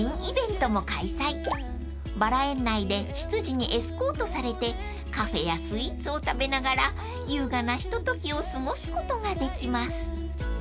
［バラ園内で執事にエスコートされてカフェやスイーツを食べながら優雅なひとときを過ごすことができます］